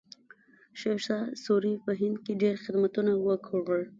شیرشاه سوري په هند کې ډېر خدمتونه وکړل.